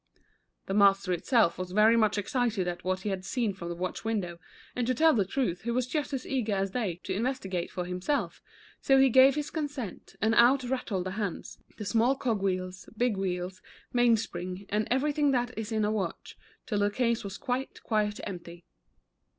The master himself was very much excited at what he had seen from the watch window, and to tell the truth, was just as eager as they to investigate for himself, so he gave his consent, and out rattled the hands, the small cog wheels, big wheels, main spring, and everything that is in a watch, till the case was quite, quite empty.